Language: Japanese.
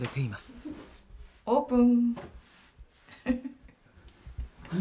オープン！